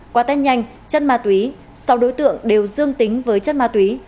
quả tang nhanh chất ma túy sáu đối tượng đều dương tính với chất ma túy